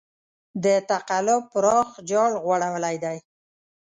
د تقلب پراخ جال غوړولی دی.